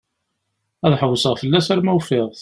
Ad ḥewseɣ fell-as arma ufiɣ-t.